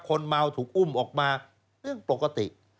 คนเมาถูกอุ้มออกมาเรื่องปกติ